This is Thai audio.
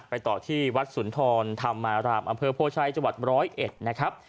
ไปต่อที่วัดสุนทรธรรมราบอำเภอโภชัยจวัดร้อยเอ็ดนะครับ